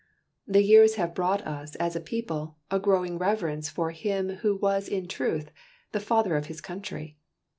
The years have brought us, as a people, a growing reverence for him who was in truth the "Father of His Country."